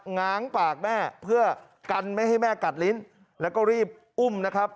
ง้างปากแม่เพื่อกันไม่ให้แม่กัดลิ้นแล้วก็รีบอุ้มนะครับ